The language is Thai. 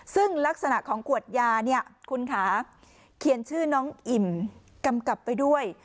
ซึ่งลักษณะของขวดยาเนี่ยคุณค่ะเขียนชื่อน้องอิ่มกำกับไปด้วย